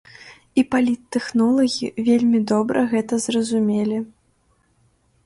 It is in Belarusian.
І паліттэхнолагі вельмі добра гэта зразумелі.